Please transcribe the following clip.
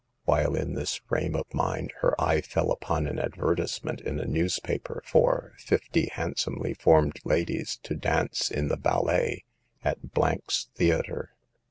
While in this frame of mind her eye fell upon an advertisement in a newspaper for " fifty handsomely formed ladies to dance in the bal let at 's Theater."